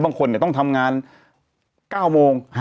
บางคนเนี่ยต้องทำงาน๙โมง